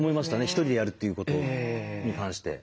ひとりでやるっていうことに関して。